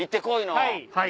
はい。